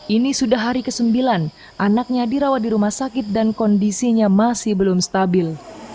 ini sudah hari ke sembilan anaknya dirawat di rumah sakit dan kondisinya masih belum stabil